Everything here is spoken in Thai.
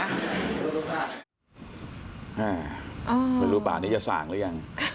อ้าวไม่รู้ป่านี้จะสั่งหรือยัง